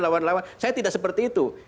lawan lawan saya tidak seperti itu